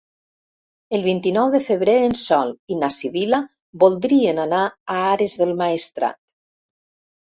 El vint-i-nou de febrer en Sol i na Sibil·la voldrien anar a Ares del Maestrat.